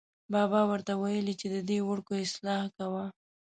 بابا ور ته ویلې چې ددې وړکو اصلاح کوه.